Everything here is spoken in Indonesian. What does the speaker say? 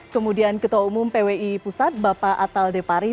kemudian ketua umum pwi pusat bapak atal depari